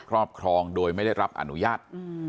รอบครองโดยไม่ได้รับอนุญาต